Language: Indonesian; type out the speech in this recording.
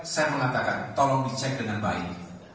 saya mengatakan tolong dicek dengan baik